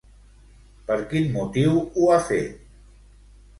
Per quin motiu ho ha fet?